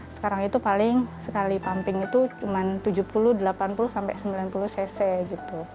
sekarang itu paling sekali pumping itu cuma tujuh puluh delapan puluh sampai sembilan puluh cc gitu